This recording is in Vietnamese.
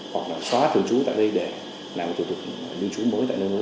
hoặc là xóa thường trú tại đây để làm một thủ tục lưu trú mới tại nơi nơi